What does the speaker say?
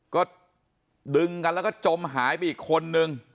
ก็ดึงกันแล้วก็จมหายไปอีกคนนึง